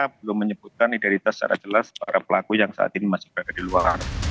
belum menyebutkan identitas secara jelas para pelaku yang saat ini masih berada di luar